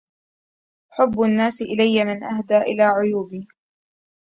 حب الناس إلى من أهدى إلى عيوبي.